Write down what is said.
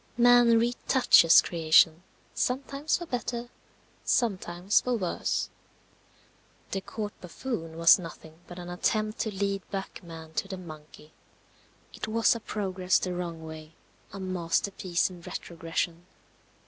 Man retouches creation, sometimes for better, sometimes for worse. The Court buffoon was nothing but an attempt to lead back man to the monkey. It was a progress the wrong way. A masterpiece in retrogression.